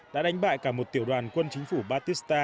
đã đánh bại cả một tiểu đoàn quân chính phủ batista